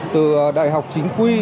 từ đại học chính quy